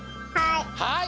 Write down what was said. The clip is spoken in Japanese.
はい。